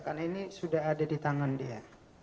karena ini sudah ada di tangan dia